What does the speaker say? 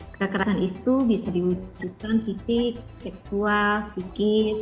kekerasan itu bisa diwujudkan fisik seksual psikis